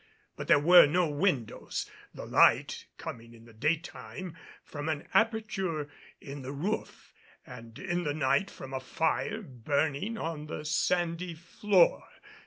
But there were no windows, the light coming in the daytime from an aperture in the roof and in the night from a fire burning on the sandy floor.